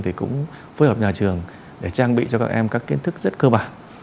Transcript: thì cũng phối hợp nhà trường để trang bị cho các em các kiến thức rất cơ bản